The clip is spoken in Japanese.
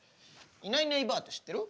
いないいないばあって知ってる？